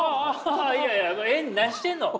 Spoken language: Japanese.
いやいや何してんの！